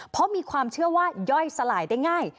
เพราะมีความเชื่อว่าย่อยสลายได้ง่าย